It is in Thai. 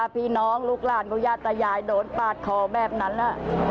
พี่น้องลูกหลานผู้ย่าตายายโดนปาดคอแบบนั้น